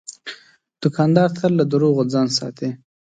دوکاندار تل له دروغو ځان ساتي.